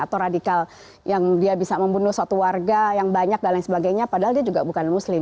atau radikal yang dia bisa membunuh suatu warga yang banyak dan lain sebagainya padahal dia juga bukan muslim